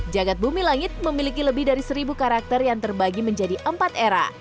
jagat bumi langit memiliki lebih dari seribu karakter yang terbagi menjadi empat era